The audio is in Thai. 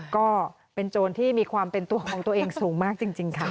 ก็เป็นโจรที่มีความเป็นตัวของตัวเองสูงมากจริงค่ะ